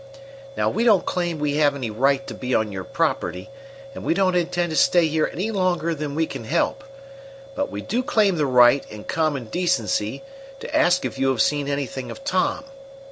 "Now we don't claim we have any right to be on your property, and we don't intend to stay here any longer than we can help. But we do claim the right, in common decency, to ask if you have seen anything of Tom.